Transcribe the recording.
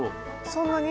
そんなに？